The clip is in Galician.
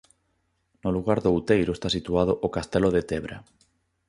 No lugar do Outeiro está situado o Castelo de Tebra.